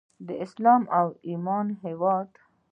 د اسلام او ایمان هیواد.